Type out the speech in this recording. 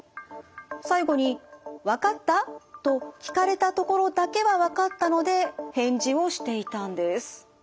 最後に「わかった？」と聞かれたところだけはわかったので返事をしていたんです。